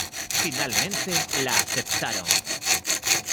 Finalmente la aceptaron.